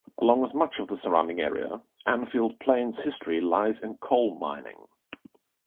Along with much of the surrounding area, Annfield Plain's history lies in coal mining.